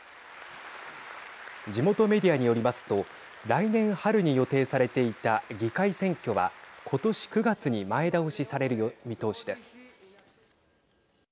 地元メディアによりますと来年春に予定されていた議会選挙はことし９月に前倒しされる見通しです。